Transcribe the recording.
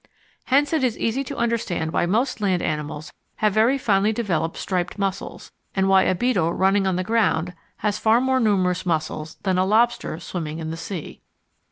Hence it is easy to understand why most land animals have very finely developed striped muscles, and why a beetle running on the ground has far more numerous muscles than a lobster swimming in the sea.